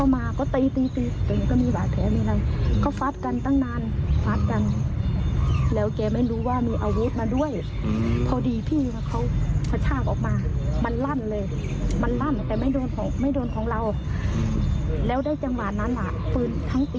มันหลุดมือของพี่ผู้ตายตรงเราก็เลยความว่าได้คุณพ่อเลยยินเลย